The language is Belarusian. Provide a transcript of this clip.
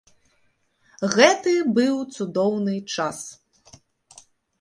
Гэты быў цудоўны час.